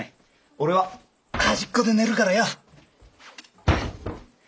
俺は端っこで寝るからよ。